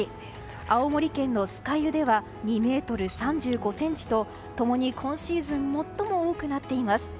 青森県の酸ヶ湯では２ｍ３５ｃｍと共に、今シーズン最も多くなっています。